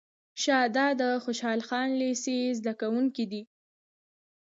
شه دا د خوشحال خان لېسې زده کوونکی دی.